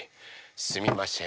すみません